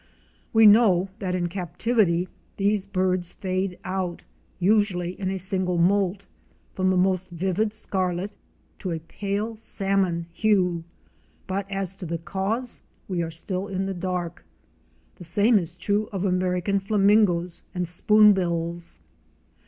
We know that in captivity these birds fade out, usually in a single moult, from the most vivid scarlet to a pale salmon hue, but as to the cause we are still in the dark. The same is true of American Flamingos and Spoonbills.